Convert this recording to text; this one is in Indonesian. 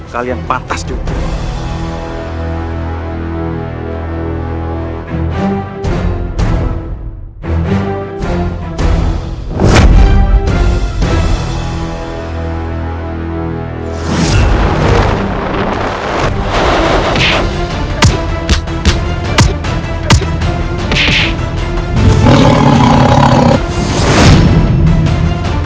kalian pantas juga